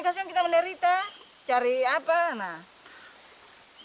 kasian kita menderita cari apa nah